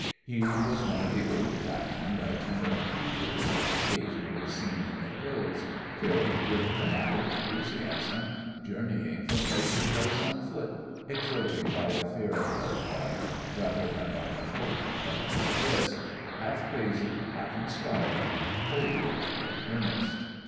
He was one of the old fashioned itinerant preachers occasionally seen in the Hills, filled with fanatic enthusiasm, journeying from place to place on foot, exhorting by the fear of hell fire rather than by the hope of heaven's bliss, half crazy, half inspired, wholly in earnest.